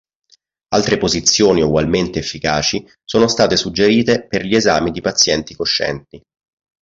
Altre posizioni ugualmente efficaci sono state suggerite per gli esami di pazienti coscienti.